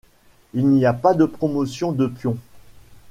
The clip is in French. Il n'y a pas de promotion de pion.